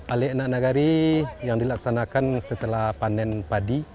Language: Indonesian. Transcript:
alik anak nagari yang dilaksanakan setelah panen padi